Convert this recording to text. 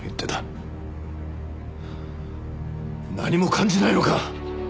何も感じないのか！？